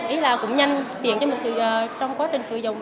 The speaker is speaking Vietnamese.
ý là cũng nhanh tiện cho mình trong quá trình sử dụng